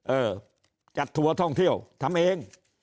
เออจัดทัวร์ท่องเที่ยวทำเอง